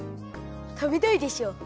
食べたいでしょ？